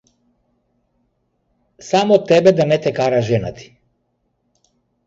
Само тебе да не те кара жена ти.